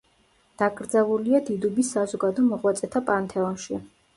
დაკრძალულია დიდუბის საზოგადო მოღვაწეთა პანთეონში.